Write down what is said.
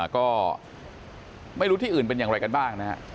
ก็ไม่รู้ที่อื่นเป็นอย่างไรกันบ้างนะฮะ